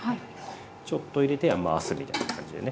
ちょっと入れては回すみたいな感じでね